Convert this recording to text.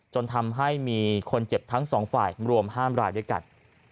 จนทำให้มีคนเจ็บทั้งสองฝ่ายรวม๕รายด้วยกัน